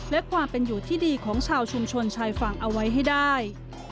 และความเป็นอยู่ที่ดีของชาวชุมชนชายฝั่งเอาไว้ให้ได้